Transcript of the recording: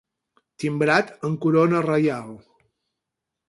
Timbrat amb corona reial.